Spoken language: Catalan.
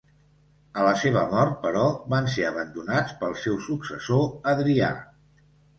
A la seva mort, però, van ser abandonats pel seu successor, Adrià.